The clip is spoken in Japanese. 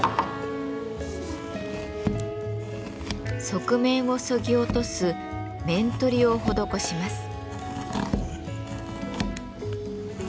側面をそぎ落とす面取りを施します。